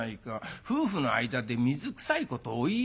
夫婦の間で水くさいことをお言いでないよ」。